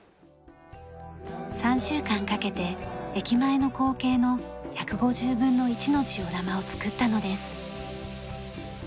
３週間かけて駅前の光景の１５０分の１のジオラマを作ったのです。